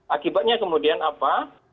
akibatnya kemudian apa